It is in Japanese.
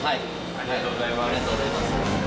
ありがとうございます。